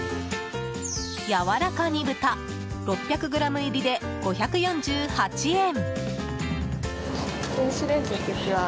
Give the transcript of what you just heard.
やわらか煮豚６００ｇ入りで５４８円。